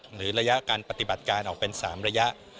หรือระยะการปฏิบัติการออกเป็น๓ระยะ